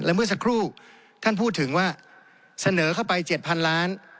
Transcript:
เมื่อสักครู่ท่านพูดถึงว่าเสนอเข้าไป๗๐๐ล้าน